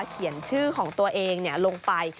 เขียนชื่อของตัวเองลงไป